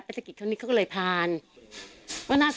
ไปสกิดเขานิเค้าก็เลยผ่าน